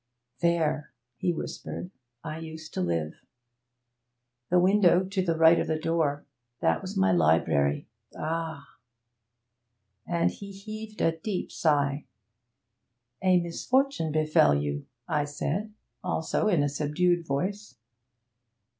'There,' he whispered, 'I used to live. The window to the right of the door that was my library. Ah!' And he heaved a deep sigh. 'A misfortune befell you,' I said, also in a subdued voice.